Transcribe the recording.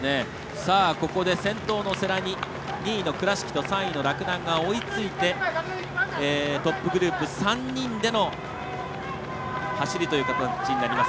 ここで先頭の世羅に２位の倉敷３位の洛南が追いついてトップグループ３人での走りとなります。